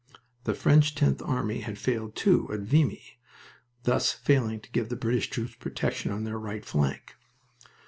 The French Tenth Army had failed, too, at Vimy, thus failing to give the British troops protection on their right flank.